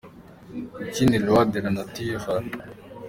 Kuko ni loi de la nature.